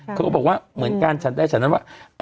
เขาก็บอกว่าเหมือนกันฉันได้ฉันนั้นว่า